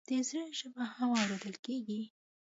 د زړه ژبه هم اورېدل کېږي.